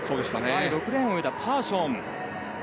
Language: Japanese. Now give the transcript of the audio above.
６レーンを泳いだパーション。